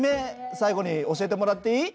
最後に教えてもらっていい？